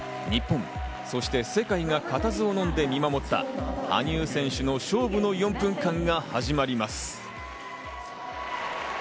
日本、そして世界がかたずをのんで見守った羽生選手の勝負の４分間が始まります。